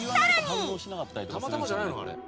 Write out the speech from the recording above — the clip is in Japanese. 「たまたまじゃないの？あれ」